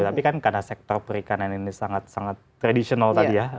tapi kan karena sektor perikanan ini sangat sangat tradisional tadi ya